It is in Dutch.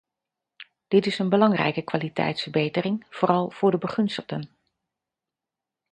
Dit is een belangrijke kwaliteitsverbetering, vooral voor de begunstigden.